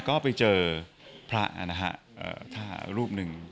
ก็ไปเจอพระนะฮะทหารรูปหนึ่ง